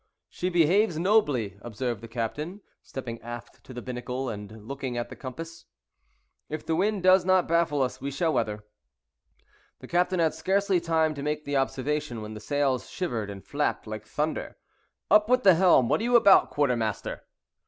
"She behaves nobly," observed the captain, stepping aft to the binnacle, and looking at the compass; "if the wind does not baffle us, we shall weather." The captain had scarcely time to make the observation, when the sails shivered and flapped like thunder, "Up with the helm; what are you about, quartermaster?"